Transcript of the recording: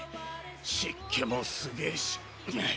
湿気もすげぇしんっ！